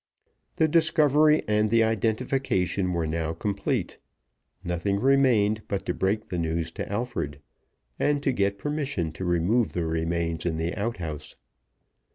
The discovery and the identification were now complete. Nothing remained but to break the news to Alfred, and to get permission to remove the remains in the outhouse.